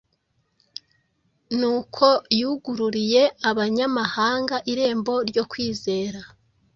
n’uko yugururiye abanyamahanga irembo ryo kwizera.”